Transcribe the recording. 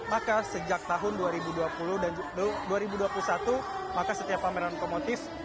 maka sejak tahun dua ribu dua puluh dan dua ribu dua puluh satu maka setiap pameran otomotif